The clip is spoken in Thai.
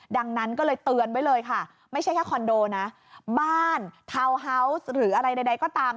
ดังนั้นก็เลยเตือนไว้เลยค่ะไม่ใช่แค่คอนโดนะบ้านทาวน์ฮาวส์หรืออะไรใดก็ตาม